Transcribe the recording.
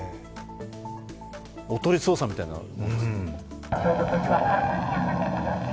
おとり捜査みたいなもんですか。